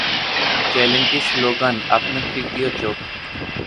চ্যানেলটির স্লোগান: "আপনার তৃতীয় চোখ"।